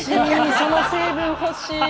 その成分欲しい！